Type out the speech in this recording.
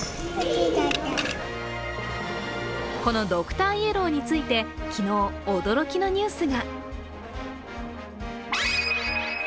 このドクターイエローについて昨日、驚きのニュースが。